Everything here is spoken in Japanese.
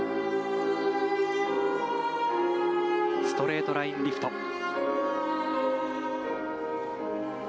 ストレートラインリフト。